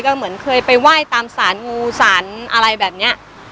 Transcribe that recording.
อย่างน้อยเป็นในเขาทำงูสารแบบเนี้ย